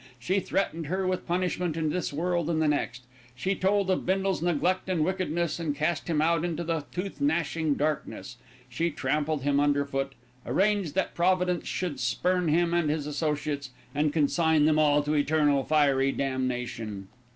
She threatened her with punishment in this world and the next. She told of Bindle's neglect and wickedness, and cast him out into the tooth gnashing darkness. She trampled him under foot, arranged that Providence should spurn him and his associates, and consign them all to eternal and fiery damnation.